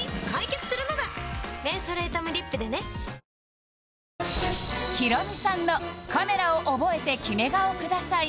わかるぞヒロミさんのカメラを覚えてキメ顔ください